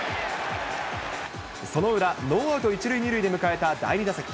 その裏、ノーアウト１塁２塁で迎えた第２打席。